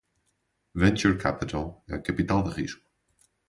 Venture Capital é capital de risco.